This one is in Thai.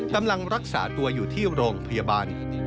กำลังรักษาตัวอยู่ที่โรงพยาบาล